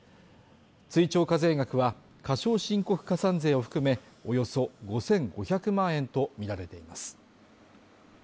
追徴課税額は過少申告加算税を含めおよそ５５００万円とみられています。